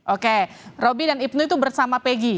oke robby dan ibnu itu bersama pegi